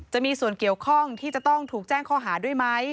จะมีส่วนเกี่ยวข้องที่จะต้องถูกแจ้งข้อหาด้วยไหม